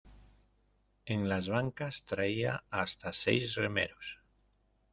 en las bancas traía hasta seis remeros.